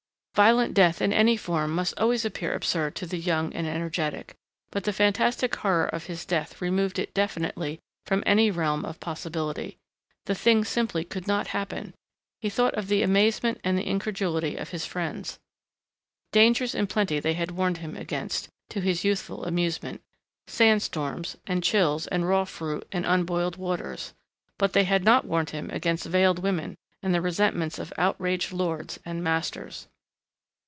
Violent death in any form must always appear absurd to the young and energetic. And the fantastic horror of his death removed it definitely from any realm of possibility. The thing simply could not happen.... He thought of the amazement and the incredulity of his friends.... Dangers in plenty they had warned him against, to his youthful amusement sand storms and chills and raw fruit and unboiled waters, but they had not warned him against veiled women and the resentments of outraged lords and masters.